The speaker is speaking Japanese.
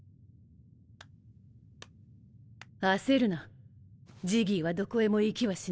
焦るなジギーはどこへも行きはしない。